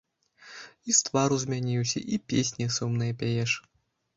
І з твару змяніўся, і песні сумныя пяеш.